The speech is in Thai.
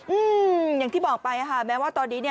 อืมอย่างที่บอกไปค่ะแม้ว่าตอนนี้เนี่ย